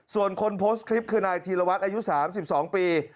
ส่วนคนโพสต์คลิปคือนายธีรวัตรอายุ๓๒ปี